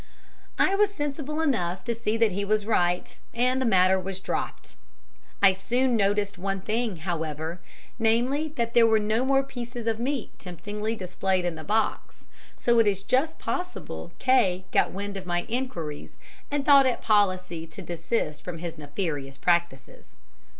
"I was sensible enough to see that he was right, and the matter dropped. I soon noticed one thing, however, namely, that there were no more pieces of meat temptingly displayed in the box, so it is just possible K got wind of my enquiries, and thought it policy to desist from his nefarious practices.